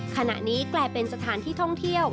ขณะนี้กลายเป็นสถานที่ท่องเที่ยว